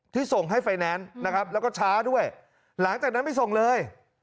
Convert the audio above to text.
ที่ส่งให้ไฟแนนซ์นะครับแล้วก็ช้าด้วยหลังจากนั้นไม่ส่งเลย